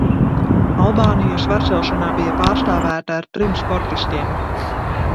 Albānija svarcelšanā bija pārstāvēta ar trim sportistiem.